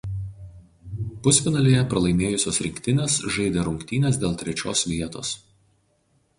Pusfinalyje pralaimėjusios rinktinės žaidė rungtynes dėl trečios vietos.